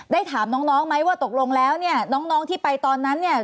ได้ถามน้องไหมว่าตกลงแล้วเนี่ยน้องที่ไปตอนนั้นเนี่ย